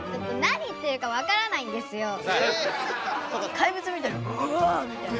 怪物みたいに「ウォ！」みたいな。